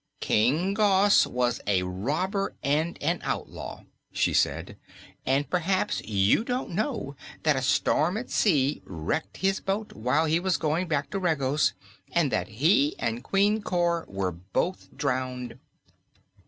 "King Gos was a robber and an outlaw," she said, "and p'r'aps you don't know that a storm at sea wrecked his boat, while he was going back to Regos, and that he and Queen Cor were both drowned."